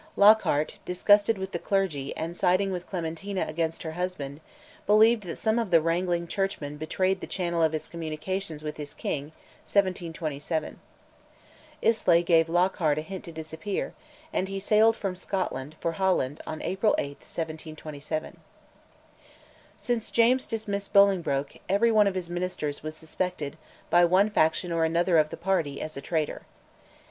Lockhart, disgusted with the clergy, and siding with Clementina against her husband, believed that some of the wrangling churchmen betrayed the channel of his communications with his king (1727). Islay gave Lockhart a hint to disappear, and he sailed from Scotland for Holland on April 8, 1727. Since James dismissed Bolingbroke, every one of his Ministers was suspected, by one faction or another of the party, as a traitor.